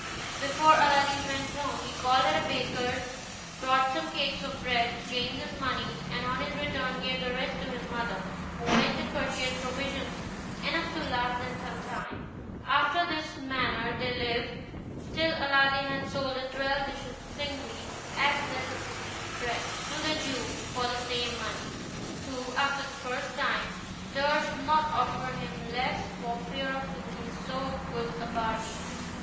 Before Aladdin went home he called at a baker's, bought some cakes of bread, changed his money, and on his return gave the rest to his mother, who went and purchased provisions enough to last them some time. After this manner they lived, till Aladdin had sold the twelve dishes singly, as necessity pressed, to the Jew, for the same money; who, after the first time, durst not offer him less for fear of losing so good a bargain.